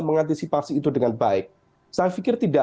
mengantisipasi itu dengan baik saya pikir tidak